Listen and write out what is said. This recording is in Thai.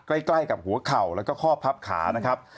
ใกล้กับหัวเข่าแล้วก็ข้อพับขานะครับ